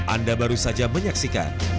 anda baru saja menyaksikan